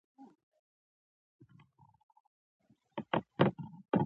په ډیرو پخوا زمانو کې داسې فکر کاؤ.